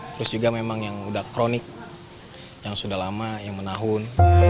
terus juga memang yang sudah kronik yang sudah lama yang menahun